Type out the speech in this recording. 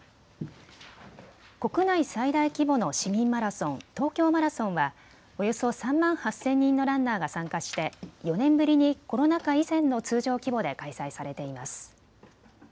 国内最大規模の市民マラソン、東京マラソンはおよそ３万８０００人のランナーが参加して４年ぶりにコロナ禍以前の通常規模で開催されています。